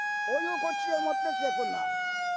お湯をこっちへ持ってきてくんな」。